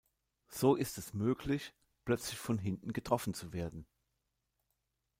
So ist es möglich, plötzlich von hinten getroffen zu werden.